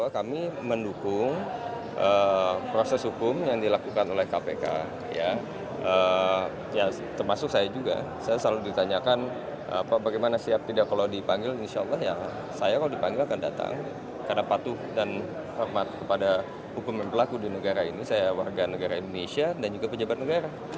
karena patuh dan hormat kepada hukuman pelaku di negara ini saya warga negara indonesia dan juga pejabat negara